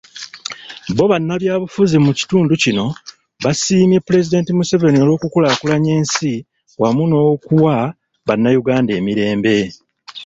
Bo bannabyabufuzi mu kitundu kino baasiimye Pulezidenti Museveni olw'okukulaakulanya ensi wamu n'okuwa bannayuganda emirembe.